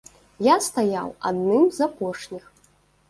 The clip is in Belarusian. Я стаяў адным з апошніх.